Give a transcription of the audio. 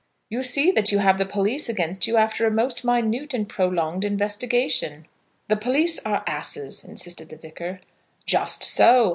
"You see that you have the police against you after a most minute and prolonged investigation." "The police are asses," insisted the Vicar. "Just so.